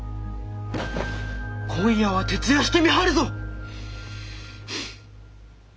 今夜は徹夜して見張るぞ！